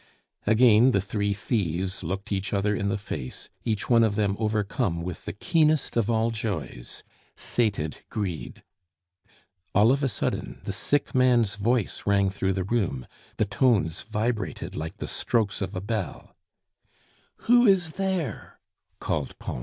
Again the three thieves looked each other in the face, each one of them overcome with the keenest of all joys sated greed. All of a sudden the sick man's voice rang through the room; the tones vibrated like the strokes of a bell: "Who is there?" called Pons.